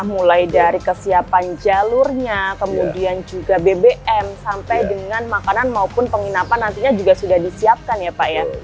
mulai dari kesiapan jalurnya kemudian juga bbm sampai dengan makanan maupun penginapan nantinya juga sudah disiapkan ya pak ya